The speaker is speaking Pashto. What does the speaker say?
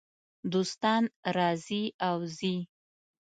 دوستان راځي او ځي .